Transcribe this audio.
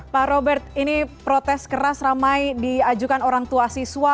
pak robert ini protes keras ramai diajukan orang tua siswa